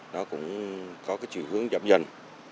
nó cũng có cái trường hướng giảm dần